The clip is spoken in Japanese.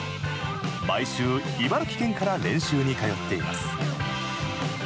毎週、茨城県から練習に通っています。